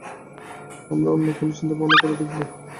আমরা অন্য কোনো চিন্তাভাবনা করে দেখবো।